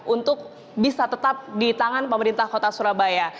untuk bisa tetap di tangan pemerintah kota surabaya